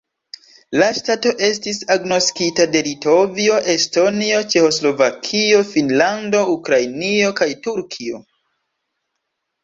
La ŝtato estis agnoskita de Litovio, Estonio, Ĉeĥoslovakio, Finnlando, Ukrainio kaj Turkio.